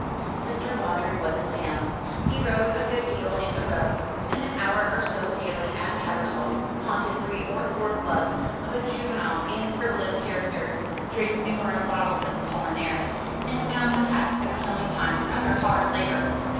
Mr. Vawdrey was in town. He rode a good deal in the Row, spent an hour or so daily at Tattersall's, haunted three or four clubs of a juvenile and frivolous character, drank numerous bottles of Apolinaris, and found the task of killing time rather hard labour.